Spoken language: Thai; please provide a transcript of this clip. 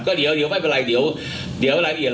ก็เดี๋ยวไม่เป็นไรเดี๋ยวรายละเอียด